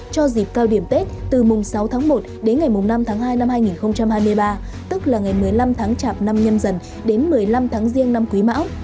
cho dịp cao điểm tết từ mùng sáu tháng một đến ngày năm tháng hai năm hai nghìn hai mươi ba tức là ngày một mươi năm tháng chạp năm nhâm dần đến một mươi năm tháng riêng năm quý mão